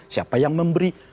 siapa yang memberi